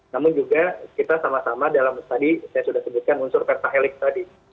namun juga kita sama sama dalam tadi saya sudah sebutkan unsur pertahelix tadi